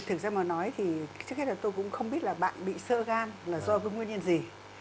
thực ra mà nói thì trước hết là tôi cũng không biết là bạn bị sơ gan là do cái nguyên nhân gì